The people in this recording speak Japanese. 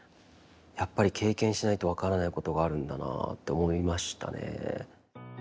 やっぱり経験しないと分からないことがあるんだなって思いましたね。